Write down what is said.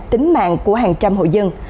tính mạng của hàng trăm hộ dân